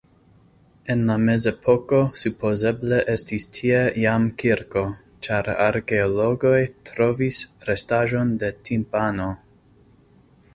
En la mezepoko supozeble estis tie jam kirko, ĉar arkeologoj trovis restaĵon de timpano.